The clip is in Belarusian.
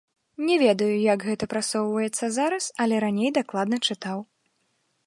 Не ведаю, як гэта прасоўваецца зараз, але раней дакладна чытаў.